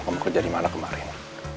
kamu kerja dimana kemarin